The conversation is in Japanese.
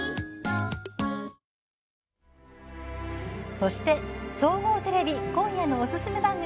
そして、総合テレビ今夜のおすすめ番組。